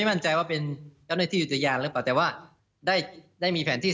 ประมาณ๒๐๐เมตรขึ้นไปอะไรอย่างนี้